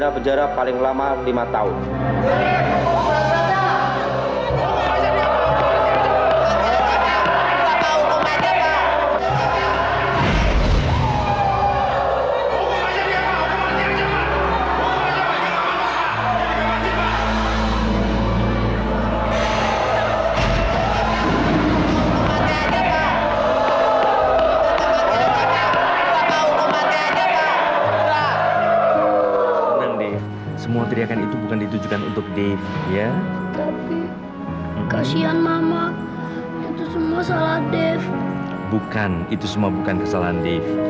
bukan itu semua bukan kesalahan dave